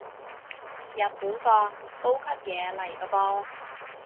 日本貨，高級嘢嚟個噃